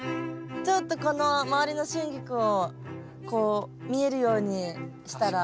ちょっとこの周りのシュンギクをこう見えるようにしたら。